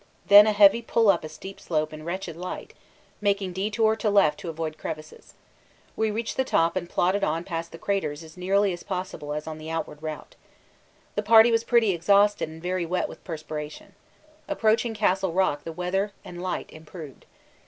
Then a heavy pull up a steep slope in wretched light, making detour to left to avoid crevasses. We reached the top and plodded on past the craters as nearly as possible as on the outward route. The party was pretty exhausted and very wet with perspiration. Approaching Castle Rock the weather and light improved.